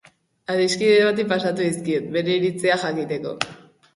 Adiskide bati pasatu dizkiot, bere iritzia jakiteko.